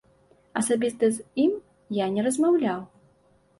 Асабіста з ім я не размаўляў.